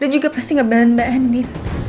dan juga pasti gak ban mbak andin